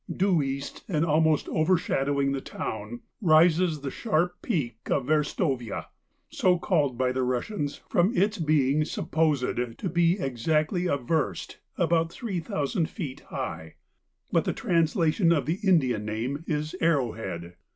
Due east, and almost overshadowing the town, rises the sharp peak of Verstovia, so called by the Russians from its being supposed to be exactly a verst (about three thousand feet) high, but the translation of the Indian name is Arrowhead.